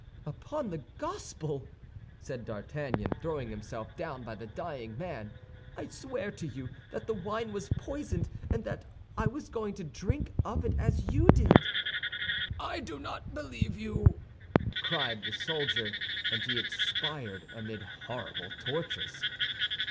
"Upon the Gospel," said D'Artagnan, throwing himself down by the dying man, "I swear to you that the wine was poisoned and that I was going to drink of it as you did." "I do not believe you," cried the soldier, and he expired amid horrible tortures.